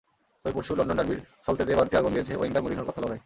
তবে পরশু লন্ডন ডার্বির সলতেতে বাড়তি আগুন দিয়েছে ওয়েঙ্গার-মরিনহোর কথার লড়াই।